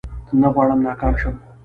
نه غواړم ناکام شم